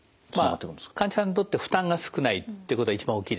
まあ患者さんにとって負担が少ないということが一番大きいですね。